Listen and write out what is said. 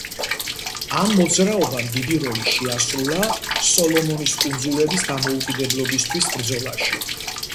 ამ მოძრაობამ დიდი როლი შეასრულა სოლომონის კუნძულების დამოუკიდებლობისთვის ბრძოლაში.